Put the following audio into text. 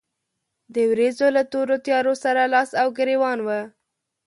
د ورېځو له تورو تيارو سره لاس او ګرېوان و.